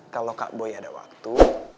kalau kak boy ada waktu